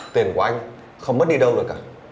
tiền của anh không mất đi đâu được cả